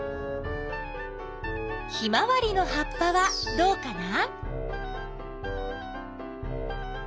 ヒマワリの葉っぱはどうかな？